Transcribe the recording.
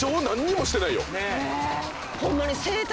ホンマに。